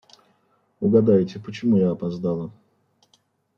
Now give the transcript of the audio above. Угадайте, почему я опоздала?